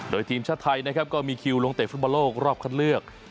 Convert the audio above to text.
โดยทีมชาติไทยนะครับก็มีคิวลงเตะฟุตบอลโลกรอบคัดเลือก